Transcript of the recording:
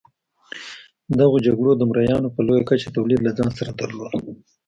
دغو جګړو د مریانو په لویه کچه تولید له ځان سره درلود.